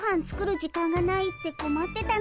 時間がないってこまってたの。